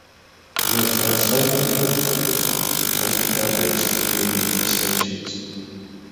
The most outstanding health problem were constant outbreaks of flea infestations.